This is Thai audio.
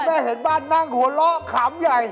แม่เห็นบ้านนั่งหัวเราะขำใหญ่